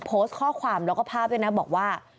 โพสต์ข้อความแล้วก็ภาพด้วยนะบอกว่า